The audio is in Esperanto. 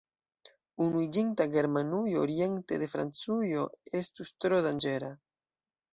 Unuiĝinta Germanujo oriente de Francujo estus tro danĝera.